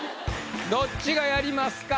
どっちがやりますか？